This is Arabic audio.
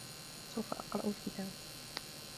سوف أقرأ الكتاب.